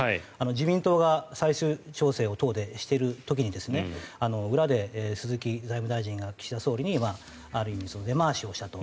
自民党が最終調整を党でしている時に裏で鈴木財務大臣が岸田総理にある意味根回しをしたと。